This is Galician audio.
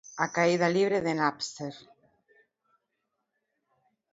A caída libre de Napster